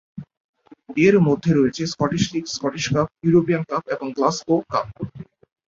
এর মধ্যে রয়েছে "Scottish League", "Scottish Cup", European Cup এবং "গ্লাসগো কাপ"।